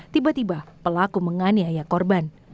tiba tiba pelaku menganiaya korban